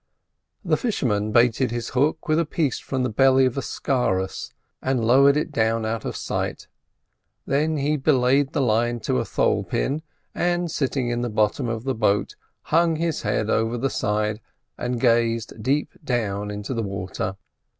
The fisherman baited his hook with a piece from the belly of a scarus and lowered it down out of sight, then he belayed the line to a thole pin, and, sitting in the bottom of the boat, hung his head over the side and gazed deep down into the water.